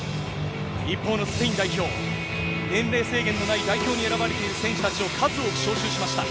一方のスペイン代表、年齢制限のない代表に選ばれている選手たちを数多く招集しました。